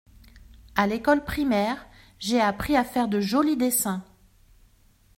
À l’école primaire j’ai appris à faire de joli dessins.